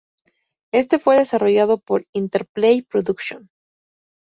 Este fue desarrollado por Interplay Productions.